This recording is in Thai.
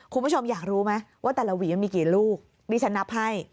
คุณผู้ชมอยากรู้ไหมว่าแต่ละหวีมันมีกี่ลูกดิฉันนับให้